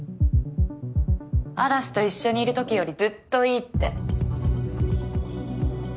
嵐と一緒にいるときよりずっといいって。